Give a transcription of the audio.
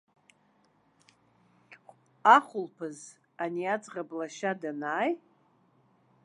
Ахәылԥаз ани аӡӷаб лашьа данааи…